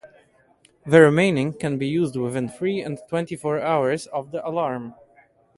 The remaining can be used within three and twenty four hours of the alarm.